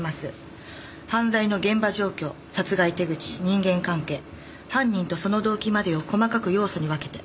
犯罪の現場状況殺害手口人間関係犯人とその動機までを細かく要素に分けて。